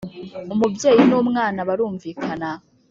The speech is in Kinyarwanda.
Umubyeyi n ‘umwana barumvikana.